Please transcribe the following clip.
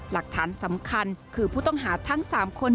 หลักฐานสำคัญคือผู้ต้องหาทั้ง๓คน